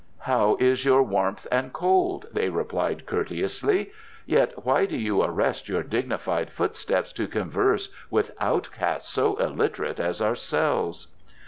"How is your warmth and cold?" they replied courteously. "Yet why do you arrest your dignified footsteps to converse with outcasts so illiterate as ourselves?"